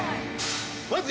まず。